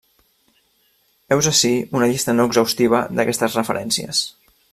Heus ací una llista no exhaustiva d'aquestes referències.